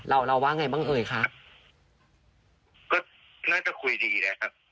เราเราว่าไงบ้างเอ่ยคะก็น่าจะคุยดีนะครับ